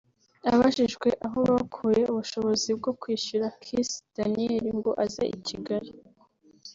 Abajijwe aho bakuye ubushobozi bwo kwishyura Kiss Daniel ngo aze i Kigali